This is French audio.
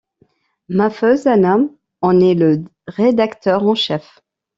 Mahfuz Anam en est le rédacteur en chef.